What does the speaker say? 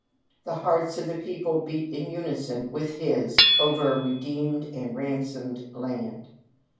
The hearts of the people beat in unison with his over a redeemed and ran somed land.